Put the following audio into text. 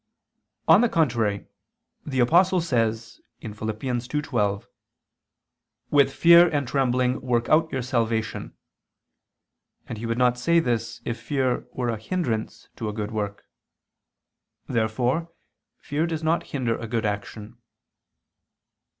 On the contrary, The Apostle says (Phil. 2:12): "With fear and trembling work out your salvation": and he would not say this if fear were a hindrance to a good work. Therefore fear does not hinder a good action.